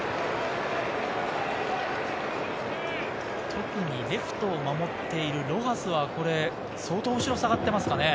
特にレフトを守っているロハスはこれ相当後ろに下がってますかね。